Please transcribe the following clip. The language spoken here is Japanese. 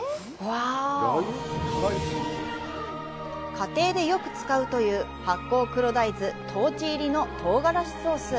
家庭でよく使うという発酵黒大豆トウチ入り、とうがらしソース。